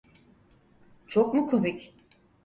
Çok mu komik?